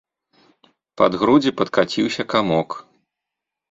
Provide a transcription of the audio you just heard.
Пад грудзі падкаціўся камок.